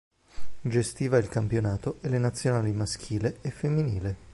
Gestiva il campionato e le nazionali maschile e femminile.